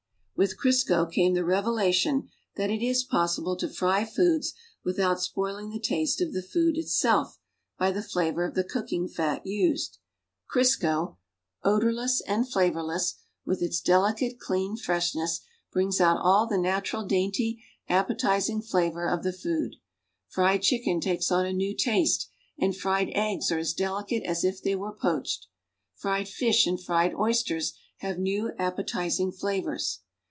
With Crisco came the revelation that it is possible to fry foods without spoiling the taste of the food itself l)y the flavor of the cooking fat u.sed. Crisco, odorless and flavorless, with its delicate, clean freshness, brings out all the natural, dainty, appetizing flavor of the food. Fried chicken takes on a new taste and fried eggs are as delicate as if they were poached. Fried fish an.d fried oys ters have new appetizing flavors.